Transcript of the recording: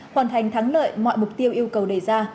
hoàn thành thắng lợi mọi mục tiêu yêu cầu đề ra